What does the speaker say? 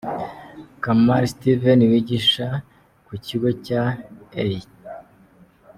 Kamali Steve wigisha ku kigo cya E.